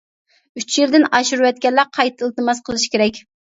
ئۈچ يىلدىن ئاشۇرۇۋەتكەنلەر قايتا ئىلتىماس قىلىشى كېرەك.